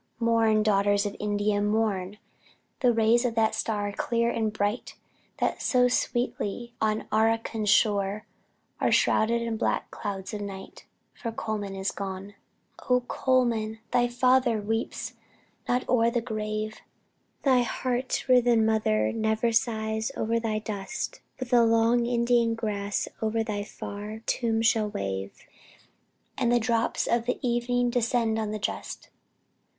Mourn, daughters of India, mourn! The rays of that star, clear and bright, That so sweetly on Arracan shone Are shrouded in black clouds of night, For Colman is gone! Oh Colman! thy father weeps not o'er thy grave; Thy heart riven mother ne'er sighs o'er thy dust; But the long Indian grass o'er thy far tomb shall wave, And the drops of the evening descend on the just.